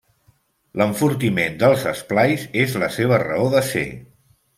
L'enfortiment dels esplais és la seva raó de ser.